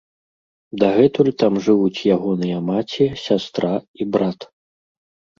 Дагэтуль там жывуць ягоныя маці, сястра і брат.